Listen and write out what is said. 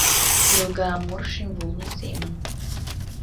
Йолга Амур шемвулно семын.